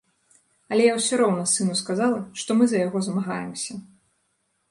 Але я ўсё роўна сыну сказала, што мы за яго змагаемся.